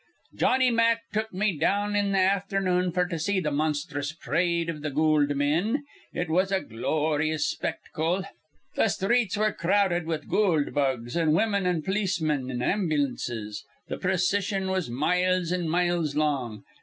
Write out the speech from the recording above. "Jawnny Mack took me down in th' afthernoon f'r to see th' monsthrous p'rade iv th' goold men. It was a gloryous spectacle. Th' sthreets were crowded with goold bugs an' women an' polismin an' ambulances. Th' procission was miles an' miles long.